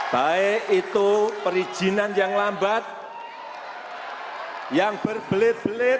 baik itu perizinan yang lambat yang berbelit belit